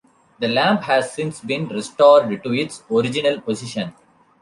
The lamp has since been restored to its original position.